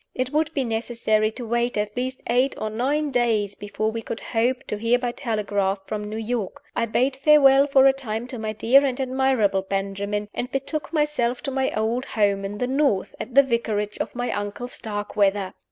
It would be necessary to wait at least eight or nine days before we could hope to hear by telegraph from New York. I bade farewell for a time to my dear and admirable Benjamin, and betook myself to my old home in the North, at the vicarage of my uncle Starkweather.